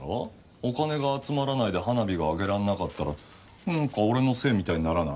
お金が集まらないで花火が上げられなかったらなんか俺のせいみたいにならない？